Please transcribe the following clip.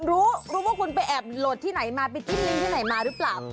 รู้รู้ว่าคุณไปแอบหลดที่ไหนมาไปทิ้มลิงที่ไหนมาหรือเปล่า